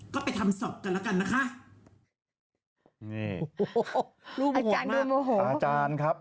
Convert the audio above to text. ก็ไปทำศักดิ์กันแล้วกันนะคะโอ้โหอาจารย์ดูโมโหอาจารย์ครับ